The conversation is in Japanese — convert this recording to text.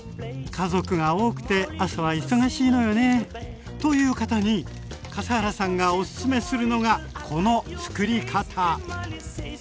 「家族が多くて朝は忙しいのよね」という方に笠原さんがおすすめするのがこのつくり方！